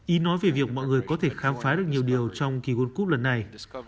ý nói về việc mọi người có thể khám phá được nhiều điều trong kỳ world cup lần này